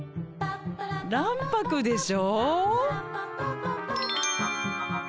卵白でしょ？